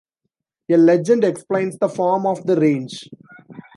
A legend explains the form of the range.